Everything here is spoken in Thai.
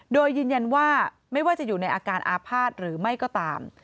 โดยยืนยันว่าไม่ว่าจะอยู่ในอาการอาภาษณ์หรือไม่ก็ตาม